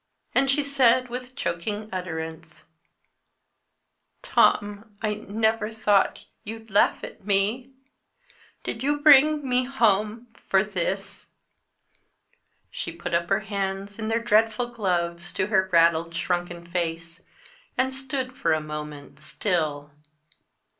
And she said, with choking utterance: "Tom, I never thought you'd laugh at me. Did you bring me home for this?" She put up her hands, in their dreadful gloves, to her raddled, shrunken face, and stood, for a moment, still.